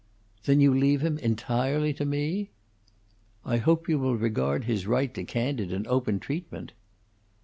"Then you leave him entirely to me?" "I hope you will regard his right to candid and open treatment."